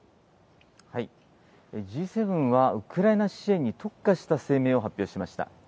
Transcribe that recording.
Ｇ７はウクライナ支援に特化した声明を発表しました。